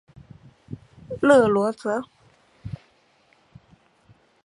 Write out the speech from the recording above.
勒罗泽。